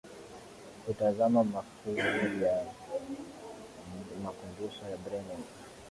kutazama mafuvu ya makumbusho ya Bremen